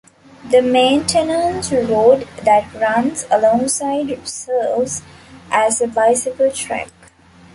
The maintenance road that runs alongside serves as a bicycle track.